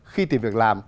khi tìm việc làm